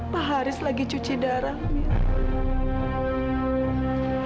pak haris lagi cuci darah